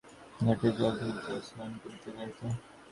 সে তখন হইতে মহেন্দ্রের বাগানের ঘাটে জল তুলিতে ও স্নান করিতে যাইত।